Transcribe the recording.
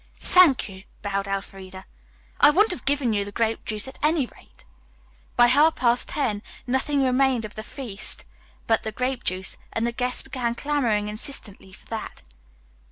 "Thank you," bowed Elfreda. "I wouldn't have given you the grape juice, at any rate." By half past ten nothing remained of the feast but the grape juice, and the guests began clamoring insistently for that.